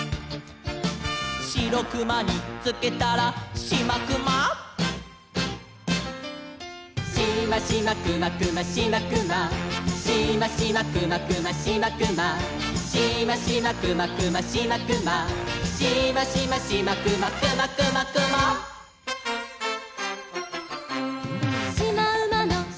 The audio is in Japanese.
「シロクマにつけたらシマクマ」「シマシマクマクマシマクマ」「シマシマクマクマシマクマ」「シマシマクマクマシマクマ」「シマシマシマクマクマクマクマ」「しまうまのしまをグルグルとって」